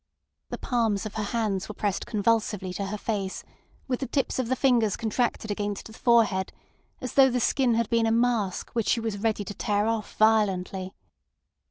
The palms of her hands were pressed convulsively to her face, with the tips of the fingers contracted against the forehead, as though the skin had been a mask which she was ready to tear off violently.